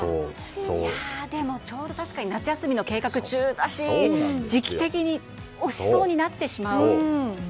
でも、ちょうど確かに夏休みの計画中だし時期的に押しそうになってしまいますね。